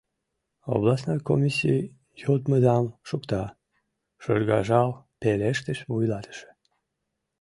— Областной комиссий йодмыдам шукта! — шыргыжал пелештыш вуйлатыше.